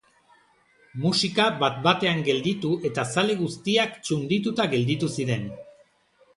Musika bat-batean gelditu eta zale guztiak txundituta gelditu ziren.